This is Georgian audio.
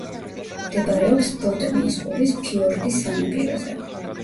მდებარეობს ბოტნიის ყურის ფიორდის სანაპიროზე.